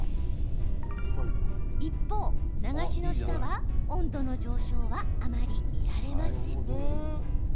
一方、流しの下は温度の上昇はあまり見られません。